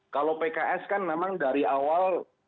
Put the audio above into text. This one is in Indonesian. kalau pks kan memang dari awal